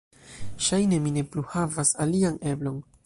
"Ŝajne mi ne plu havas alian eblon."